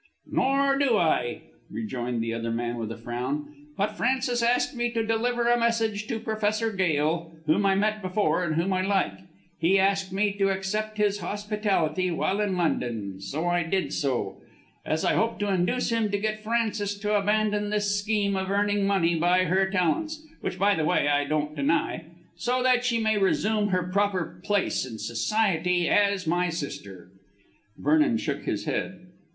"Nor do I," rejoined the other man with a frown, "but Frances asked me to deliver a message to Professor Gail, whom I met before and whom I like. He asked me to accept his hospitality while in London, so I did so, as I hope to induce him to get Frances to abandon this scheme of earning money by her talents which by the way I don't deny so that she may resume her proper place in society as my sister." Vernon shook his head.